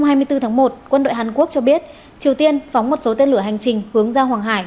hôm hai mươi bốn tháng một quân đội hàn quốc cho biết triều tiên phóng một số tên lửa hành trình hướng ra hoàng hải